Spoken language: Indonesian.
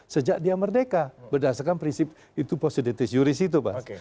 sejak dia merdeka berdasarkan prinsip itu posititis juris itu pak